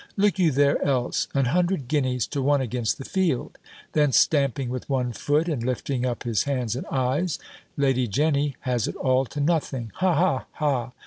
Look you there else! An hundred guineas to one against the field." Then stamping with one foot, and lifting up his hands and eyes "Lady Jenny has it all to nothing Ha, ha, ha!